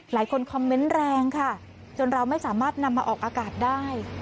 คอมเมนต์แรงค่ะจนเราไม่สามารถนำมาออกอากาศได้